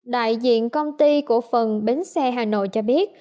đại diện công ty cổ phần bến xe hà nội cho biết